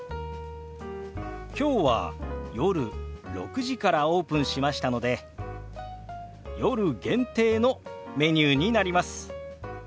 きょうは夜６時からオープンしましたので夜限定のメニューになります。